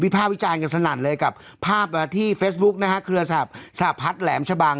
ภาควิจารณ์กันสนั่นเลยกับภาพที่เฟซบุ๊กนะฮะเครือสับสหพัฒน์แหลมชะบัง